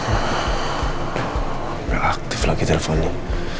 aduh belakang aktif lagi teleponnya